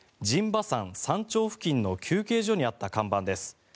馬山山頂付近の休憩所にあった看板です。